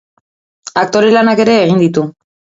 Aktore lanak ere egin ditu.